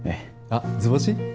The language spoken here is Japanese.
あっ図星？